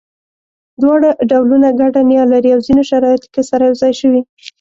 دواړه ډولونه ګډه نیا لري او ځینو شرایطو کې سره یو ځای شوي.